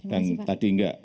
dan tadi enggak